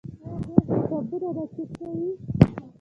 آیا دوی حسابونه نه چک کوي؟